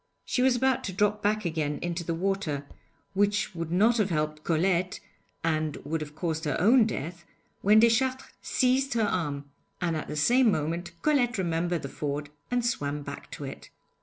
She was about to drop back again into the water, which would not have helped Colette and would have caused her own death, when Deschartres seized her arm; and at the same moment Colette remembered the ford and swam back to it.